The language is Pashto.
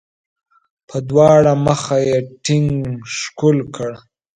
په دواړه مخه یې ټینګ ښکل کړ.